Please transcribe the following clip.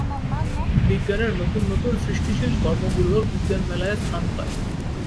বিজ্ঞানের নতুন নতুন সৃষ্টিশীল কর্মগুলাে বিজ্ঞান মেলায় স্থান পায়।